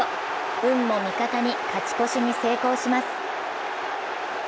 運も味方に勝ち越しに成功します。